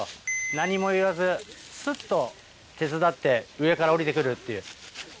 何も言わず、すっと手伝って、上から下りてくるっていう。